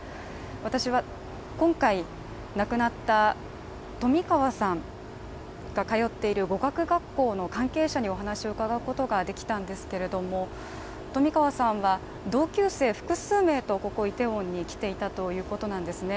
私は今回亡くなった冨川さんが通っている語学学校の関係者にお話を伺うことができたんですけれども冨川さんは同級生複数名とここイテウォンに来ていたということなんですね。